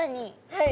はい。